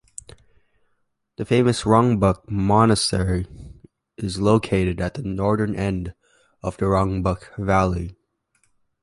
The famous Rongbuk Monastery is located at the northern end of the Rongbuk valley.